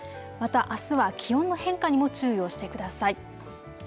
またあすは気温の変化にも注意をしてください。